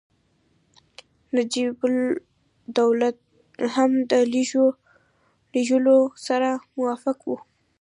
نجیب الدوله هم د لېږلو سره موافق وو.